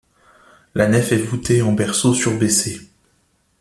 La nef est voûtée en berceau surbaissé.